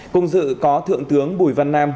cùng dự có thượng tướng bùi văn nam